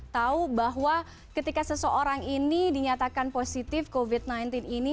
tahu bahwa ketika seseorang ini dinyatakan positif covid sembilan belas ini